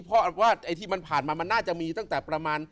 เพราะว่าไอ้ที่มันผ่านมามันน่าจะมีตั้งแต่ประมาณ